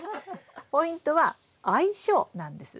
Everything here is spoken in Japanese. ポイントは相性なんです。